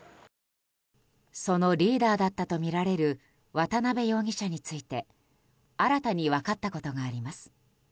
そのリーダーだったとみられる渡邉容疑者について新たに分かったことがあります。